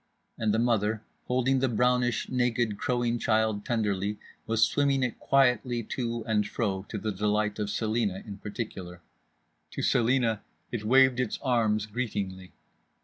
And the mother, holding the brownish, naked, crowing child tenderly, was swimming it quietly to and fro, to the delight of Celina in particular. To Celina it waved its arms greetingly.